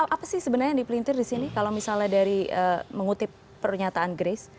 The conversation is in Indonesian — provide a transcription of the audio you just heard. apa sih sebenarnya yang dipelintir di sini kalau misalnya dari mengutip pernyataan grace